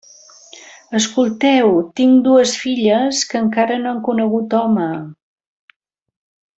Escolteu: tinc dues filles que encara no han conegut home.